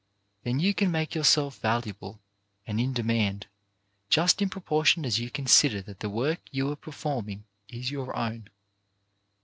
Then you can make yourself valuable and in demand just in proportion as you consider that the work you are performing is your own.